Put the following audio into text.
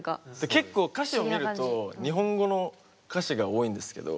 結構歌詞を見ると日本語の歌詞が多いんですけど。